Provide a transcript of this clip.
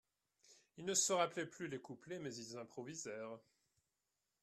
Ils ne se rappelaient plus les couplets, mais ils improvisèrent